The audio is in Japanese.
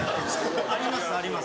ありますあります。